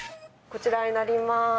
こちらになりまーす。